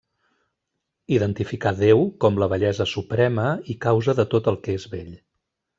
Identificà Déu com la bellesa suprema i causa de tot el que és bell.